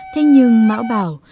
thế nhưng mã bảo